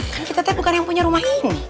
kan kita tuh bukan yang punya rumah ini